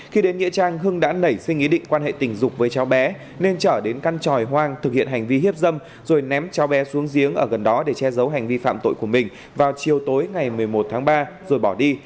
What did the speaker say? khi đến nghĩa trang hưng đã nảy sinh ý định quan hệ tình dục với cháu bé nên trở đến căn tròi hoang thực hiện hành vi hiếp dâm rồi ném cháu bé xuống giếng ở gần đó để che giấu hành vi phạm tội của mình vào chiều tối ngày một mươi một tháng ba rồi bỏ đi